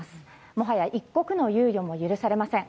もはや一刻の猶予も許されません。